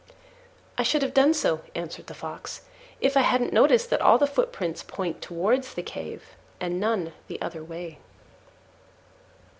"I should have done so," answered the Fox, "if I hadn't noticed that all the footprints point towards the cave and none the other way."